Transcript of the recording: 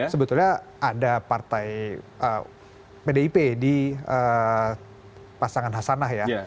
sebetulnya ada partai pdip di pasangan hasanah ya